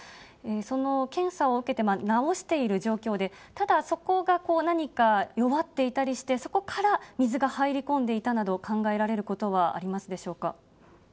その検査を受けて、直している状況で、ただ、そこが何か弱っていたりして、そこから水が入り込んでいたなど、考えられることはありますでしょうか。